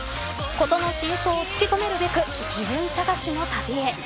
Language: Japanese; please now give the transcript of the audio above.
事の真相を突き止めるべく自分探しの旅へ。